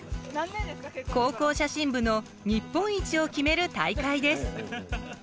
高校写真部の日本一を決める大会です。